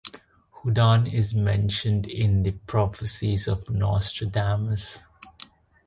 Houdan is mentioned in the Prophecies of Nostradamus.